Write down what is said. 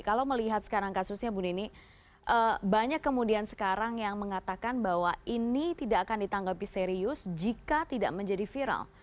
kalau melihat sekarang kasusnya bu nini banyak kemudian sekarang yang mengatakan bahwa ini tidak akan ditanggapi serius jika tidak menjadi viral